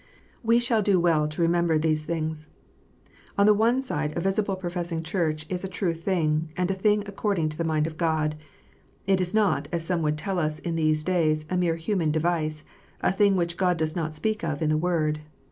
* We shall do well to remember these things. On the one side, a visible professing Church is a true thing, and a thing according to the mind of God. It is not, as some would tell us in these days, a mere human device, a thing which God does not speak of in the Word.